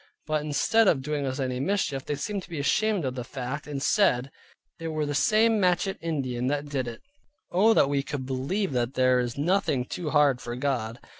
But instead of doing us any mischief, they seemed to be ashamed of the fact, and said, it were some matchit Indian that did it. Oh, that we could believe that there is nothing too hard for God!